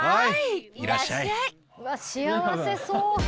うわ幸せそう。